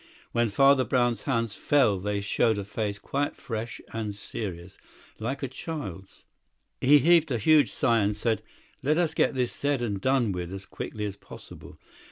When Father Brown's hands fell they showed a face quite fresh and serious, like a child's. He heaved a huge sigh, and said: "Let us get this said and done with as quickly as possible.